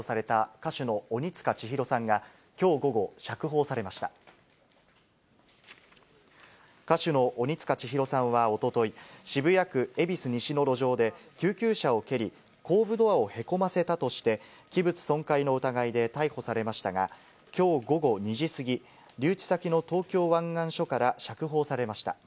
歌手の鬼束ちひろさんはおととい、渋谷区恵比寿西の路上で、救急車を蹴り、後部ドアをへこませたとして、器物損壊の疑いで逮捕されましたが、きょう午後２時過ぎ、留置先の東京湾岸署から釈放されました。